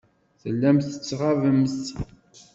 Tellamt tettɣabemt.